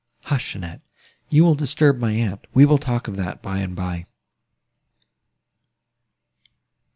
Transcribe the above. "Hush! Annette, you will disturb my aunt; we will talk of that by and bye."